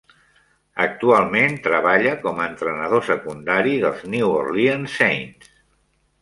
Actualment treballa com a entrenador secundari dels New Orleans Saints.